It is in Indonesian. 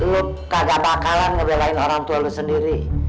lu kagak bakalan ngebelain orang tua lo sendiri